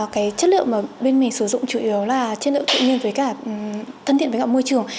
cái chất liệu mà bên mình sử dụng chủ yếu là chất liệu tự nhiên với cả thân thiện với ngọn môi trường